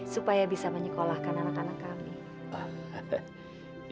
supaya bisa menyekolahkan anak anak kami